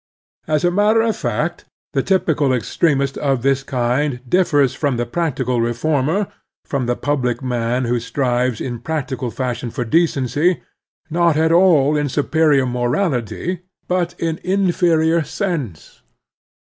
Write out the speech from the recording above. As a matter of fact, the typical extremist of this kind differs from the practical reformer, from the public man who strives in practical fashion for decency, not at all in superior morality, but in inferior sense.